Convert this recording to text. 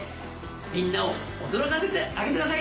みんなを驚かせてあげてください。